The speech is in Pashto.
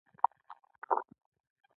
زه شکه وايمه چې ښکلې کافران دي